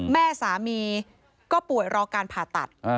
แม่สามีก็ป่วยรอการผ่าตัด